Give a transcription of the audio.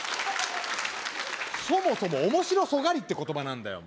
そもそも「面白そがり」って言葉何だよ？